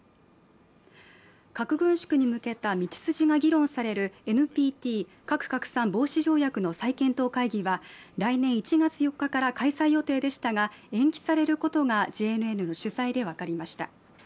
核軍縮に向けた道筋が議論されるＮＰＴ＝核拡散防止条約の再検討会議は来年１月４日から開催予定でしたが、延期されることがＪＮＮの取材で分かりました。